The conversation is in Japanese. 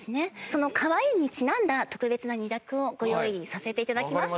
そのかわいいにちなんだ特別な２択をご用意させて頂きました。